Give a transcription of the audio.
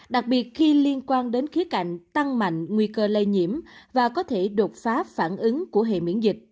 đặc biệt khi liên quan đến khía cạnh tăng mạnh nguy cơ lây nhiễm và có thể đột phá phản ứng của hệ miễn dịch